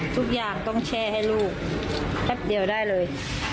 ทุกอย่างต้องแช่ให้ลูกแป๊บเดียวได้เลย